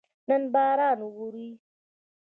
نن باران اوري